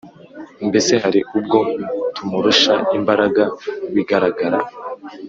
Mbese hari ubwo tumurusha imbaraga bigaragara